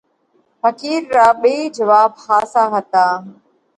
ڦقِير را ٻئي جواٻ ۿاسا هتا۔